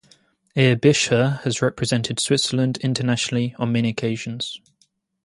Aebischer has represented Switzerland internationally on many occasions.